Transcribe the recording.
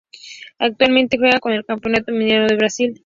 Actualmente juega en el Campeonato Mineiro de Brasil.